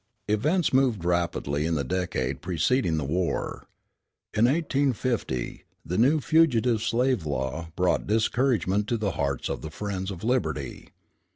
Events moved rapidly in the decade preceding the war. In 1850 the new Fugitive Slave Law brought discouragement to the hearts of the friends of liberty.